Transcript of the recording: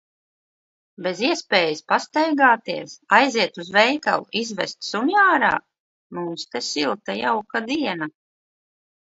Bez iespējas pastaigāties, aiziet uz veikalu, izvest suni ārā? Mums te silta, jauka diena.